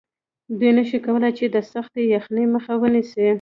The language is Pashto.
دوی نشي کولی چې د سختې یخنۍ مخه ونیسي